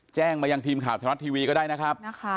แจ้งมายังทีมข่าวไทยรัฐทีวีก็ได้นะครับ